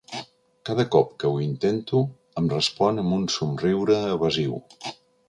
Cada cop que ho intento em respon amb un somriure evasiu.